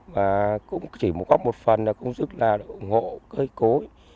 và cũng chỉ một góp một phần là cũng giúp là ủng hộ cây cối